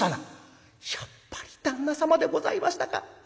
「やっぱり旦那様でございましたか。